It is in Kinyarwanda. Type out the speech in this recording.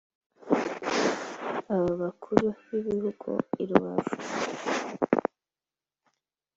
Aba bakuru b’ibihugu i Rubavu